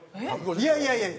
いやいやいやいや！